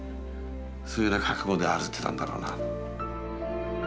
そういうような覚悟で歩ってたんだろうな。